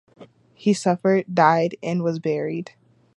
he suffered, died, and was buried.